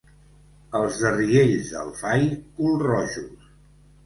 Els de Riells del Fai, culrojos.